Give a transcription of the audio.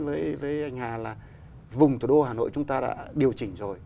tôi nói với anh hà là vùng thủ đô hà nội chúng ta đã điều chỉnh rồi